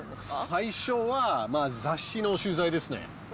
最初は、雑誌の取材ですね。